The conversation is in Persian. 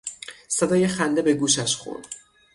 صدای خنده به گوشش خورد.